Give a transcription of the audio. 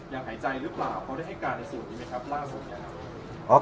หายใจหรือเปล่าเขาได้ให้การในส่วนนี้ไหมครับล่าสุดเนี่ยครับ